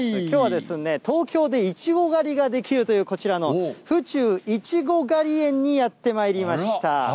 きょうはですね、東京でいちご狩りができるという、こちらの府中いちご狩り園にやってまいりました。